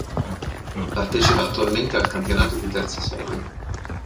Partecipa attualmente al campionato di terza serie.